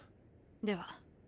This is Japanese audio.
では。